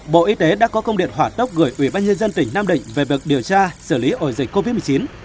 bộ y tế đã có công điện hỏa tốc gửi ubnd tp hcm về việc điều tra xử lý ổ dịch covid một mươi chín